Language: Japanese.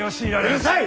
うるさい！